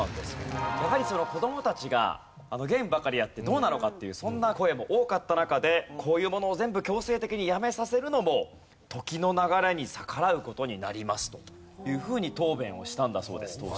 やはり「子どもたちがゲームばかりやってどうなのか？」っていうそんな声も多かった中で「こういうものを全部強制的にやめさせるのも時の流れに逆らう事になります」というふうに答弁をしたんだそうです当時。